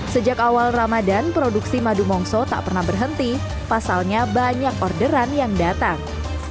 sejak awal ramadan produksi madu mongso tak pernah berhenti pasalnya banyak orderan yang datang